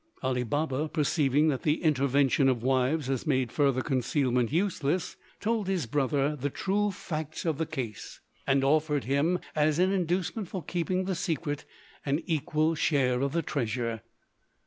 Ali Baba, perceiving that the intervention of wives had made further concealment useless, told his brother the true facts of the case, and offered him, as an inducement for keeping the secret, an equal share of the treasure.